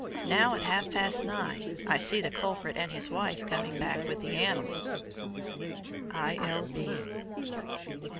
now, at half past nine, I see the culprit and his wife coming back with the animals. I. L. B.